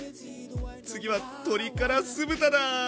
次は鶏から酢豚だ！